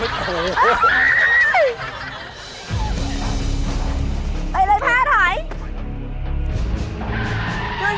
เอาเลยแพร่ถอย